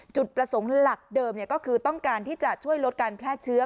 จุดประสงค์หลักเดิมก็คือต้องการที่จะช่วยลดการแพร่เชื้อ